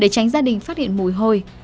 để tránh gia đình phát hiện mùi hôi